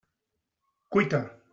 Cuita!